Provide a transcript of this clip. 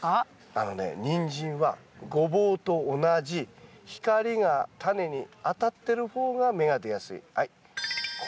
あのねニンジンはゴボウと同じ光がタネに当たってる方が芽が出やすい。